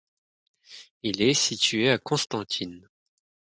Il est situé à Constantine.